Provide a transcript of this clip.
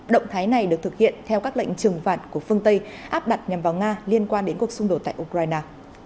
động thái này được thực hiện theo các lệnh trừng phạt của phương tây áp đặt nhằm vào nga liên quan đến cuộc xung đột tại ukraine